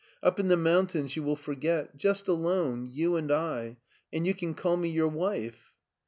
Up in the mountaiQs you will forget; just alone, you and I^ and you can call me your wife.